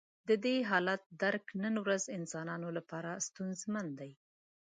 د دې حالت درک نن ورځ انسانانو لپاره ستونزمن دی.